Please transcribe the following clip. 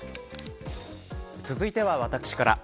続いては私から。